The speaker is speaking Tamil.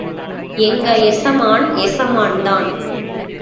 எங்க எசமான் எசமான் தான்.